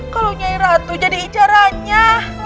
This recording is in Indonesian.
kalau nyai ratu jadi icaranya